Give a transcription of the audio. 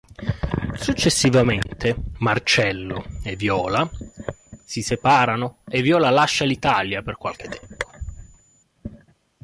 Successivamente, Marcello e Viola si separano e Viola lascia l'Italia per qualche tempo.